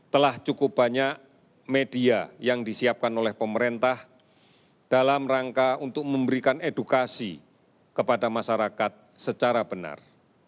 telah cukup banyak media yang disiapkan oleh pemerintah dalam rangka untuk memberikan edukasi kepada masyarakat secara benar